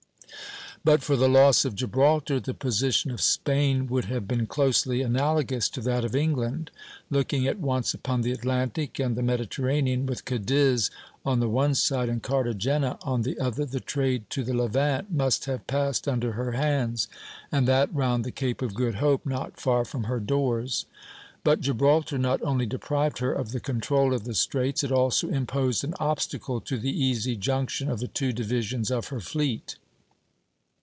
But for the loss of Gibraltar, the position of Spain would have been closely analogous to that of England. Looking at once upon the Atlantic and the Mediterranean, with Cadiz on the one side and Cartagena on the other, the trade to the Levant must have passed under her hands, and that round the Cape of Good Hope not far from her doors. But Gibraltar not only deprived her of the control of the Straits, it also imposed an obstacle to the easy junction of the two divisions of her fleet.